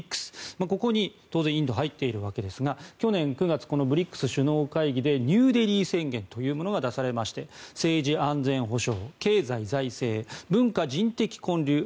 ここに当然インドは入っているわけですが去年９月このＢＲＩＣＳ首脳会議でニューデリー宣言が出されまして政治・安全保障経済・財政、文化・人的交流